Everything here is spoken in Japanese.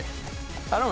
頼む。